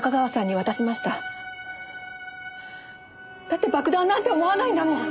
だって爆弾なんて思わないんだもん！